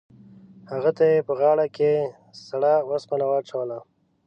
هغه ته یې په غاړه کې سړه اوسپنه واچوله.